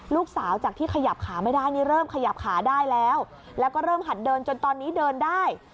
ลูกสาวจากที่ขยับขาไม่ได้นี่เริ่มขยับขาได้แล้วแล้วก็เริ่มหัดเดินจนตอนนี้เดินได้